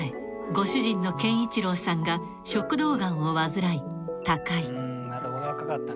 ご主人の健一郎さんが食道がんを患い他界］